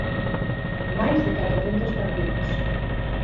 Máis de catrocentos partidos.